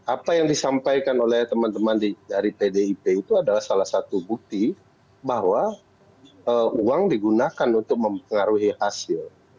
apa yang disampaikan oleh teman teman dari pdip itu adalah salah satu bukti bahwa uang digunakan untuk mempengaruhi hasil